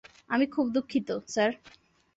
আমি খুব দুঃখিত, স্যার।